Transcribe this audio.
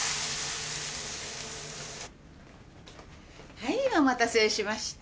はいお待たせしました。